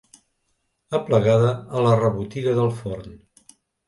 Aplegada a la rebotiga del forn.